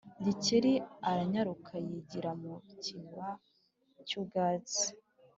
Gikeli aranyaruka yigira mu kiba cy’ubwatsi.